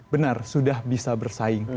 benar sudah bisa bersaing